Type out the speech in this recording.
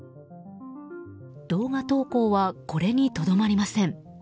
動画投稿はこれにとどまりません。